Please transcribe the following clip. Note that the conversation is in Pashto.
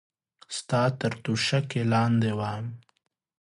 ستا تر توشکې لاندې وه.